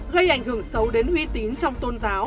gây ảnh hưởng xấu đến uy tín trong tôn giáo